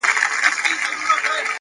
هڅاند انسان انتظار نه خوښوي